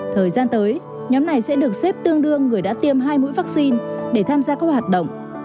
thời gian tới nhóm này sẽ được xếp tương đương người đã tiêm hai mũi vaccine để tham gia các hoạt động